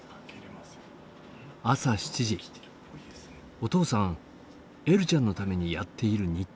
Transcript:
お父さんえるちゃんのためにやっている日課がある。